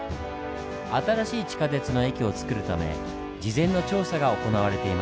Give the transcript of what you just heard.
新しい地下鉄の駅を造るため事前の調査が行われています。